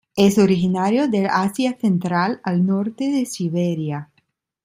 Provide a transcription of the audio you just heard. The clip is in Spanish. Es originario del Asia central al norte de Siberia.